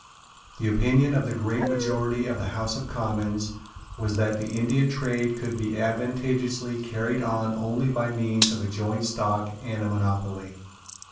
The opinion of the great majority of the House of Commons was that the Indian trade could be advantageously carried on only by means of a joint stock and a monopoly.